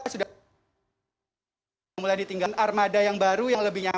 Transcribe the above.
sudah mulai ditinggal armada yang baru yang lebih nyaman